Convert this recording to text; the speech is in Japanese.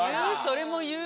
それも言う！